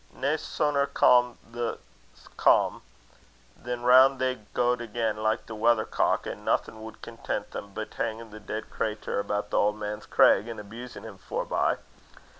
Nae suner cam the calm, than roun' they gaed again like the weathercock, an' naething wad content them bit hingin' the deid craytur about the auld man's craig, an' abusin' him forby.